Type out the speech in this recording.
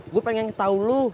gue pengen ketahui lo